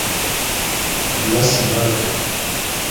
Abili asimba bian.